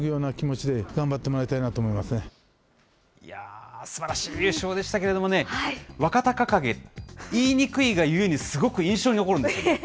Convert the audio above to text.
いやー、すばらしい優勝でしたけどもね、若隆景、言いにくいがゆえに、すごく印象に残るんです。